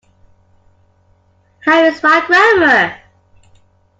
How is my grammar?